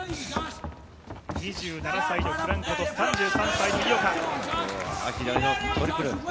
２７歳のフランコと３３歳の井岡。